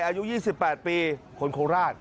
อายุ๒๘ปีคนโคราช